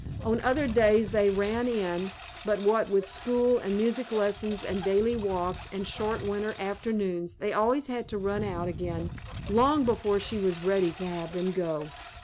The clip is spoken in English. On other days they "ran in;" but what with schools and music lessons, and daily walks and short winter afternoons, they always had to run out again long before she was ready to have them go.